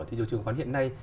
thị trường chứng khoán hiện nay